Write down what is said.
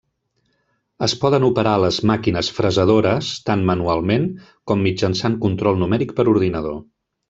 Es poden operar les màquines fresadores tant manualment com mitjançant control numèric per ordinador.